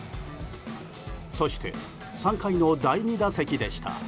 そして、３回の第２打席でした。